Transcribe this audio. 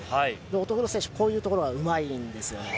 乙黒選手はこういうところがうまいんです。